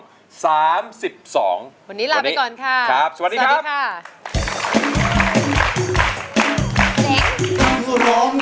วันนี้ลาไปก่อนค่ะครับสวัสดีครับ